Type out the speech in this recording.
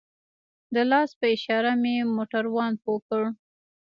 د لاس په اشاره مې موټروان پوه کړ.